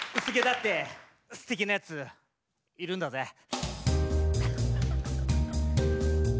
薄毛だってすてきなやついるんだぜ。